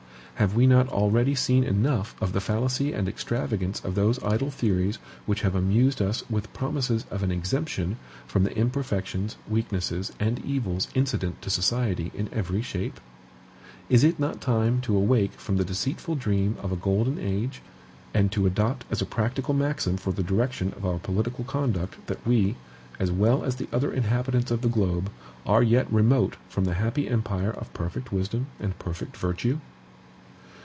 Have we not already seen enough of the fallacy and extravagance of those idle theories which have amused us with promises of an exemption from the imperfections, weaknesses and evils incident to society in every shape? Is it not time to awake from the deceitful dream of a golden age, and to adopt as a practical maxim for the direction of our political conduct that we, as well as the other inhabitants of the globe, are yet remote from the happy empire of perfect wisdom and perfect virtue?